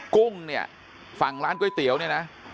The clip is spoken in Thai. กุ้งเนี่ยฝั่งร้านก๋วยเตี๋ยวเนี่ยนะ